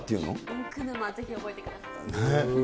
インク沼、ぜひ覚えてください。